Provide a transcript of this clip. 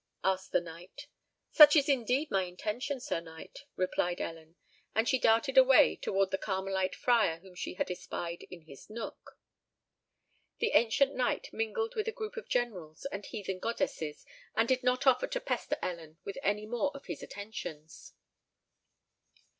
asked the Knight. "Such is indeed my intention, Sir Knight," replied Ellen; and she darted away towards the Carmelite Friar whom she had espied in his nook. The Ancient Knight mingled with a group of Generals and Heathen Goddesses, and did not offer to pester Ellen with any more of his attentions.